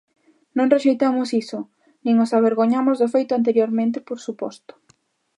Non rexeitamos iso nin nos avergoñamos do feito anteriormente, por suposto.